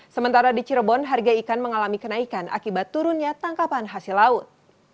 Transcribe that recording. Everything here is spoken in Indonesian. sementara di cirebon harga ikan mengalami kenaikan akibat turunnya tangkapan hasil laut